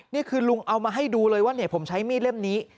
นี่คือลุงเอามาให้ดูเลยว่าผมใช้มีดเล่มนี้